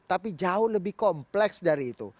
tapi jauh lebih kompleks dari itu